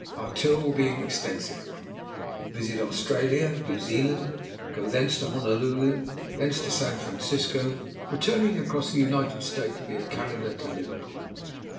Our tour will be an extensive one. We visit Australia and New Zealand, go thence to Honolulu, thence to San Francisco, returning, across the United States, via Canada, to Liverpool.